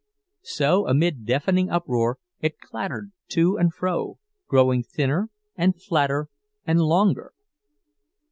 So amid deafening uproar it clattered to and fro, growing thinner and flatter and longer.